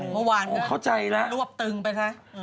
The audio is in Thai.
เมื่อวานก็รวบตึงไปใช่หรือเปล่าโอ้เข้าใจแล้ว